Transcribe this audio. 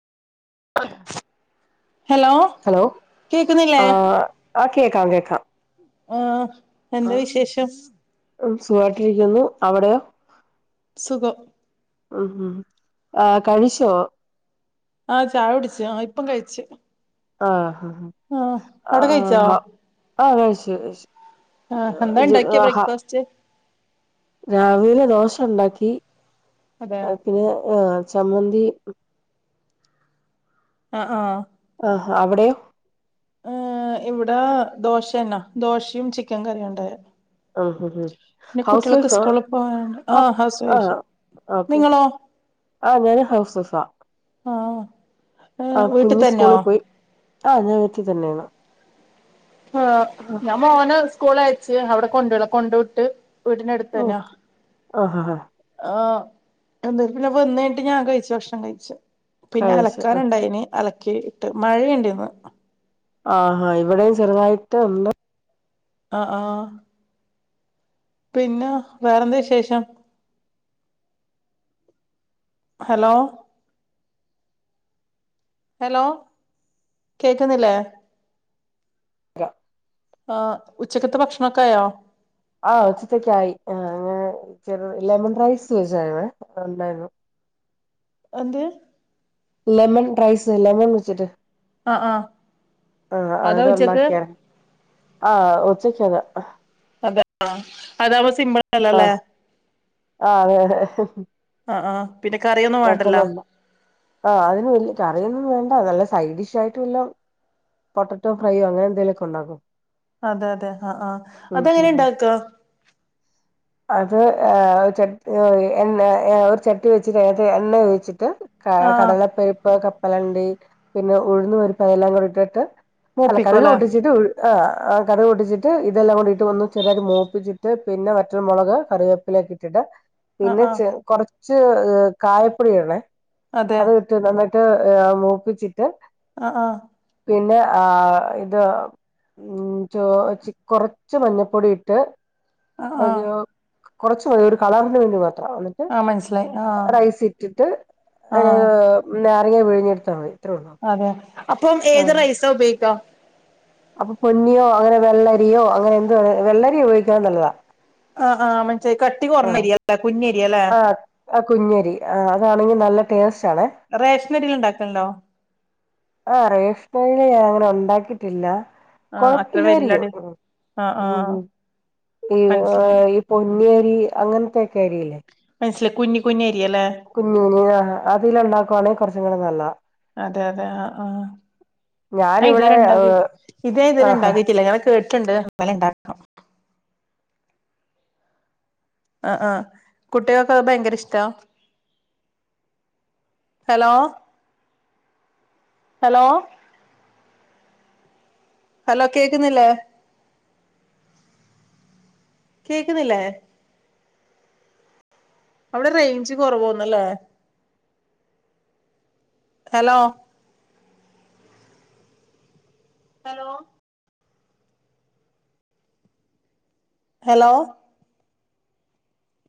Hello കേക്കുന്നില്ലേ? ആഹ് കേക്കാം, കേക്കാം. ആഹ് എന്താ വിശേഷം? മ് സുഖായിട്ടിരിക്കുന്നു, അവിടെയോ? സുഖം. ഉം ആഹ് കഴിച്ചോ? ആഹ് ചായ കുടിച്ചു, ആ ഇപ്പം കഴിച്ചു. ആഹ് ഹ് ഹ് ആഹ് അവിടെ കഴിച്ചോ ആഹ് ആ കഴിച്ചു കഴിച്ചു. ആഹ് എന്താ ജ് ഇണ്ടാക്കിയയെ ആഹാ ബ്രേക്ഫാസ്റ്റ്? രാവിലെ ദോശ ഉണ്ടാക്കി. അതെ [unintelligible] ആഹ് പിന്നെ ആഹ് ചമ്മന്തി ആ ആഹ് ആഹ് അവിടെയോ? ഏഹ് ഇവിടെ ദോശയന്നാ ദോശയും ചിക്കൻ കറിയും ഉണ്ടായെ. ഉം ഉം ഉം. പിന്നെ ഹൗസ് കുട്ടികളൊക്കെ വൈഫാ സ്കൂളിൽ പോയൊണ്ട് ആ ആഹ് ഹൗസ് ആ വൈഫ്. ഓക്കെ നിങ്ങളോ? ആ ഞാന് ഹൗസ് വൈഫാ ആഹ് ആ ഏഹ് വീട്ടിൽ കുഞ്ഞ് തന്നെയോ സ്കൂളിൽ പോയി ആ ഞാൻ വീട്ടിൽ തന്നെയാണ് ആ് ആ ഞാൻ മോന സ്കൂള അയച്ചു അവിടെ കൊണ്ടള കൊണ്ട വിട്ട് ഓ വീടിനടുത്തന്നെയാ ആ ഹാ ഹാ ആ എ പിന്ന വന്ന് കഴിട്ട് ഞാൻ കഴിച്ചു ഭക്ഷണം കഴിച്ചു പിന്നെ കഴിച്ചു അലക്കാന ഉണ്ടായിന് അല ഇട്ട് മഴയണ്ടന്ന് ആഹാ ഇവിടെയും ചെറുതായിട്ട് എന്ത ആ ആ പിന്നെ വേറെന്ത വി ശേഷം ഹലോ ഹലോ കേക്കുന്നില്ലേ അ ആ ഉച്ചക്കത്തെ ഭക്ഷണൊക്കെയോ ആഹ് ഉച്ചത്തക്ക ആായി ആ ലെമൺ റൈസ് വെച്ചിരുന്നു അന്ത ലെമൺ റൈസ് ലെമൺ വിിച്ചിട്ട് ആആ ആഅത്ണ്ടാക്കിയ ആ ഉച്ചക്ക് അതാ അതാ അതപ്പ സിമ്പിൾല്ലല്ലേ ആ തെ യതെ ആ ആ പെട്ടണ്ട ആഹ അതിന് വലിയ ട്കറിയൊന്നും വേണ്ട അതല്ല സൈഡ് ഡിഷ് ആയിട്ട് വല്ല പൊട്ടട്ടോ ഫ്രൈയോ അങ്ങനെ എന്തെങ്കലുക്കെ ണ്ടാക്കും അതെ അതെ ആ ആഅതെങ്ങനെ നെ ഉം ഉണ്ടാക്ക അത് ച എണ് ഒരു ചട്ടി വെച്ചിട്ട് ഏത് എണ്ണ ഓയ്ച്ചിട്ട് ക ആഹ് കടലപ്പരിപ്പ് കപ്പലണ്ടി പിന്നെ ഉഴന്ന് പരിപ്പ് അതെല്ലാം കൊണ്ടിട്ട് അല്ല കടക് മൂപ്പിക്കോല്ലേ പൊട്ടിച്ചിട്ട് ആ് ആ് കറിവ കുടിച്ചിട്ട് ഇതെല്ലാം കൂടിട്ട് ഒന്ന ചെറട്ട മോപ്പിച്ചിട്ട് പിന്നെ മറ്റൊരു മുളക് കറിവേപ്പിലക്കെ ഇട്ടിട്ട് ആഹ് പിന്നെ ആഹ് കൊറച്ച് കായപ്പൊടി ആണേ അതെ അത് വിട്ട് നന്നായിട് ട്ട് മൂപ്പിച്ചിട്ട് ആആ പിന്നെ ആ ഇത് ഉ ചോ കൊറച്ച് മഞ്ഞപ്പൊടി ഇട്ട് ആഹ് അോ ആഹ് കുറച്ച മതി ഒരു കളറിന് വേണ്ടി മാ ആ മനസ്സിലായി ആഹ് റൈസ് ഇട്ടിട്ട് അ ആഹ് നാരങ്ങ വിഴിഞ്ഞെടുത്താൽ മതി ഇത്രേ ഉള്ളൂ അതെ അപ്പം ആ ഏത് റൈസ ഉപയോഗിക്കാ അപ്പൊ പൊന്നിയോ അങ്ങനെ വെള്ളരിയോ അങ്ങനെ എന്ത് വെള്ളരിയോ ഉപയോഗിക്കാൻ നല്ലതാ ആഹ ആഹ് മന കട്ടി ആ കൊറഞ്ഞരിയല്ലേ കുഞ്ഞരിയല്ലേ ആഹ് ആ കുഞ്ഞരി ആ അതാണെങ്കിൽ നല്ല ടേസ്റ്റ് അ റേഷനരിയിൽ ഉണ്ടാക്കലുണ്ടോ ഉണ്ടാക്കിട്ടില്ല ആഹ് അത്ര വല്ല്യടി കൊഴപ്പില്ലായിരിക്കും ആഹ് ആഹ് ഹ് ഈ മനസ്സിലായി ഈ പൊന്നേരി അങ്ങനത്തെൊക്കെ അരില്ലേ മനസില കുനി കുഞ്ഞി അരി കുഞ്ഞുിന അതില ഉണ്ടാക്കുവാണെങ്കിൽ കുറച്ചും കൂടെ നല്ല അതെ അതെ ആ ആ ആ ഞാനിവിടെ ഇതുവരെണ്ടാകി ഇത് ആഹ് ഇതുവരെണ്ടാക്കി കേട്ട ണ്ട് അങ്ങനെ ഇണ്ടാക്കാം ആ ആകുട്ടികൾക്കെ ഭയങ്കര ഇഷ്ടാ ഹലോ ഹലോ ഹലോ കേക്കുന്നില്ലേ കേക്കുന്നില്ലേ അവിടെ റേഞ്ച് കൊറവ്ന്നല്ലേ ഹലോ ഹലോ ഹലോ